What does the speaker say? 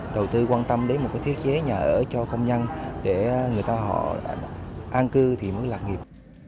đầu tư quan tâm đến một cái thiết chế nhà ở cho công nhân để người ta họ an cư thì mới lạc nghiệp